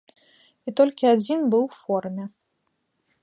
І толькі адзін быў у форме.